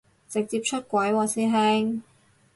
直接出櫃喎師兄